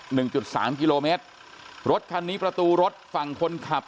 หนึ่งจุดสามกิโลเมตรรถคันนี้ประตูรถฝั่งคนขับ